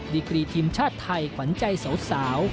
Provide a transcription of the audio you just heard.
ดีกรีทีมชาติไทยขวัญใจสาว